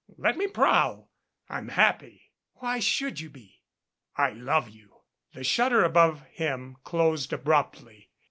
"Let me prowl. I'm happy." "Why should you be?" "I love you." The shutter above him closed abruptly.